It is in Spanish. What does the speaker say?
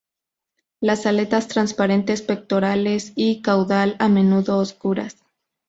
Las aletas transparentes, pectorales y caudal a menudo oscuras.